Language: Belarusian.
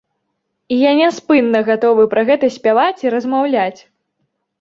І я няспынна гатовы пра гэта спяваць, і размаўляць.